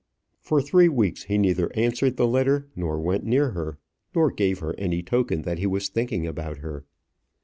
For three weeks he neither answered the letter nor went near her, nor gave her any token that he was thinking about her.